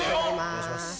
お願いします。